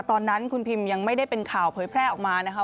ตอนนั้นคุณพิมยังไม่ได้เป็นข่าวเผยแพร่ออกมานะคะ